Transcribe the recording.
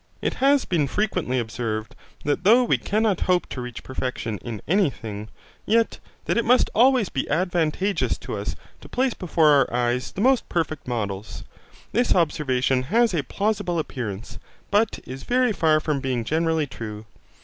It has been frequently observed that though we cannot hope to reach perfection in any thing, yet that it must always be advantageous to us to place before our eyes the most perfect models. This observation has a plausible appearance, but is very far from being generally true.